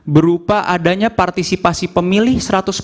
berupa adanya partisipasi pemilih seratus